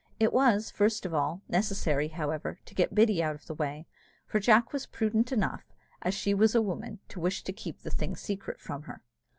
It was, first of all, necessary, however, to get Biddy out of the way; for Jack was prudent enough, as she was a woman, to wish to keep the thing secret from her.